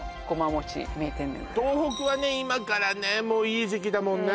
今からねもういい時期だもんね